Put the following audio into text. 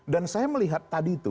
dan saya melihat tadi itu